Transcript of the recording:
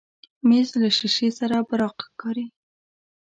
مېز له شیشې سره براق ښکاري.